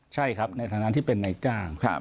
ใช่ครับในฐานะที่เป็นนายจ้าง